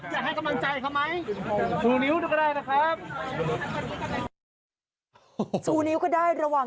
ได้อาบน้ำหรือยัง